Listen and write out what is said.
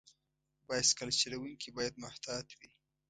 بایسکل چلونکي باید محتاط وي.